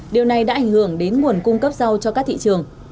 điều này đã ảnh hưởng đến nguồn cung cấp rau cho các thị trường